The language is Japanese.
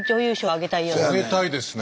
あげたいですね。